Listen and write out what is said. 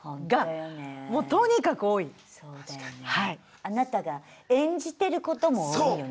あなたが演じてることも多いよね。